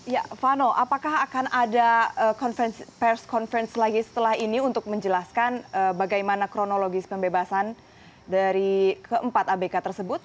ya vano apakah akan ada pers conference lagi setelah ini untuk menjelaskan bagaimana kronologis pembebasan dari keempat abk tersebut